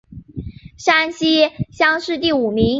山西乡试第五名。